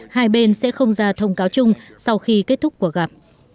hai bên sẽ không ra thông cáo chung sau khi kết thúc cuộc gặp